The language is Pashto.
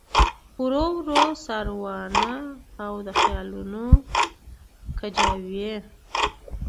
ورو ورو ساروانه او د خیالونو کجاوې